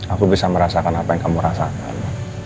aku bisa merasakan apa yang kamu rasakan